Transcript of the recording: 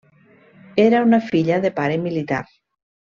Era una filla de pare militar.